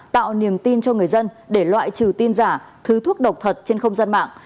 tạo niềm tin cho người dân để loại trừ tin giả thứ thuốc độc thật trên không gian mạng